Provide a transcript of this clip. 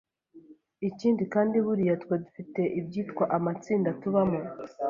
Ikindi kandi buriya twe dufite ibyitwa amatsinda tubamo,